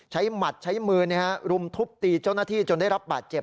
หมัดใช้มือรุมทุบตีเจ้าหน้าที่จนได้รับบาดเจ็บ